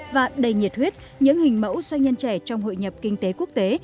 và đầy nhiệt huyết những hình mẫu doanh nhân trẻ trong hội nhập kinh tế quốc tế